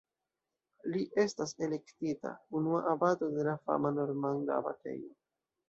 Li estas elektita unua abato de la fama normanda abatejo.